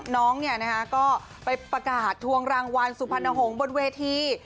น้องก็ไปประกาศทวงรางวัลสุพรรณหงษ์บนเวที